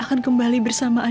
aku tidak akan